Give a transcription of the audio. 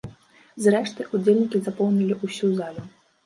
Зрэшты, удзельнікі запоўнілі ўсю залю.